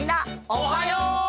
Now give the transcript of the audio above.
おはよう！